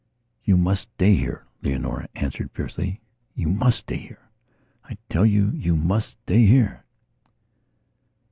"You must stay here," Leonora answered fiercely. "You must stay here. I tell you you must stay here."